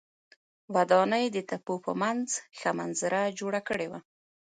ودانۍ د تپو په منځ ښه منظره جوړه کړې وه.